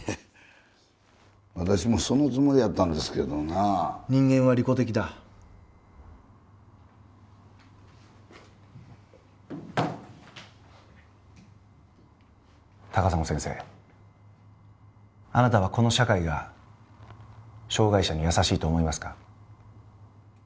私もそのつもりやったんですけど人間は利己的だ高砂先生あなたはこの社会が障害者に優しいと思いますか？